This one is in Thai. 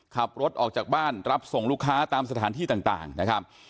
ขับรถออกจากบ้านรับส่งลูกค้าตามสถานที่ต่างนะครับ